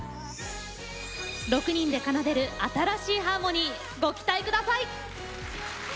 ６人で奏でる新しいハーモニーご期待ください。